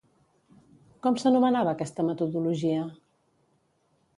Com s'anomenava aquesta metodologia?